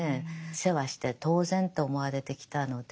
世話して当然と思われてきたので。